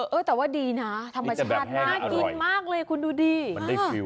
เออแต่ว่าดีนะธรรมชาติน่ากินมากเลยคุณดูดิว